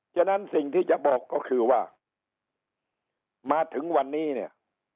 ฉะนั้นสิ่งที่จะบอกก็คือว่ามาถึงวันนี้เนี่ย